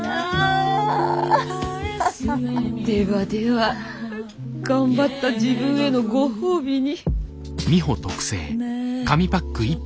ではでは頑張った自分へのご褒美に。